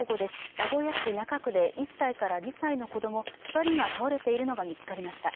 名古屋市中区で１歳から２歳の子供２人が倒れているのが見つかりました。